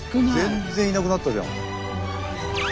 全然いなくなったじゃん。